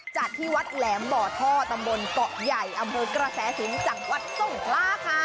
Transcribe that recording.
จัดที่วัดแหลมบ่อท่อตำบลเกาะใหญ่อำเภอกระแสสูงจังหวัดทรงคลาค่ะ